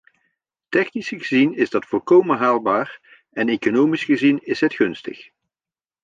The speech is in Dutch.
Technisch gezien is dat volkomen haalbaar en economisch gezien is het gunstig.